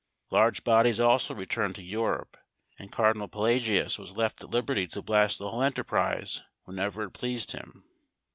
Large bodies also returned to Europe, and Cardinal Pelagius was left at liberty to blast the whole enterprise whenever it pleased him.